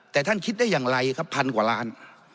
แต่ท่านคิดได้อย่างไรครับพันกว่าล้าน